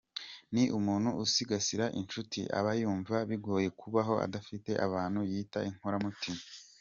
Ni umuntu usigasira inshuti, aba yumva bigoye kubaho adafite abantu yita inkoramutima.